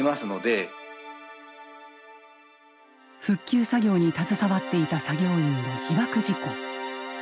復旧作業に携わっていた作業員の被ばく事故。